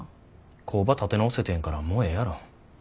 工場立て直せてんやからもうええやろ。